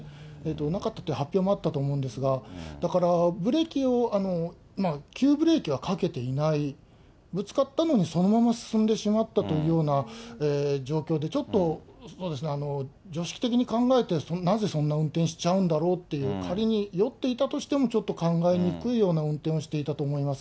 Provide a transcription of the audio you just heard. なかったって発表もあったと思うんですが、だから、ブレーキを、急ブレーキはかけていない、ぶつかったのにそのまま進んでしまったというような状況で、ちょっと常識的に考えて、なぜそんな運転しちゃうんだろうっていう、仮に酔っていたとしても、ちょっと考えにくいような運転をしていたと思います。